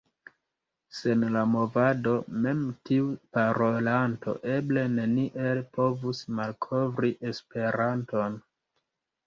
Sen la Movado mem tiu parolanto eble neniel povus malkovri Esperanton.